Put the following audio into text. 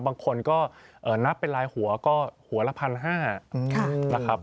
บางคนก็นับเป็นลายหัวก็หัวละ๑๕๐๐นะครับ